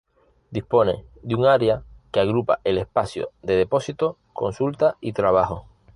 Dispone de un área que agrupa el espacio de depósito, consulta y trabajo.